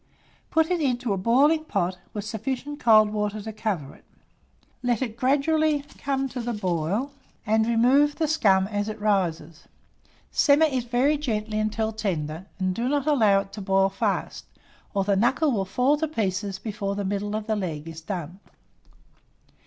Put it into a boiling pot, with sufficient cold water to cover it; let it gradually come to a boil, and remove the scum as it rises. Simmer it very gently until tender, and do not allow it to boil fast, or the knuckle will fall to pieces before the middle of the leg is done.